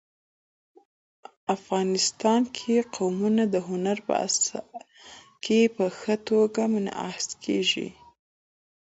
افغانستان کې قومونه د هنر په اثار کې په ښه توګه منعکس کېږي.